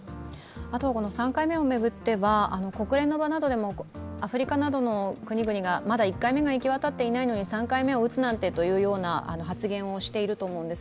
あとは３回目を巡っては国連の場などでもアフリカの国々がまだ１回目が行き渡っていないのに３回目を打つなんてという発言をしていると思います。